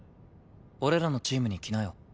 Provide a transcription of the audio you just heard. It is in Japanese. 俺らのチームに来なよ。